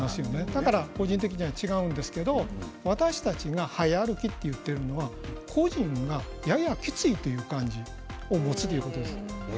ですから個人的には違うんですが私たちが早歩きと言っているのは個人がややきついと感じるということです。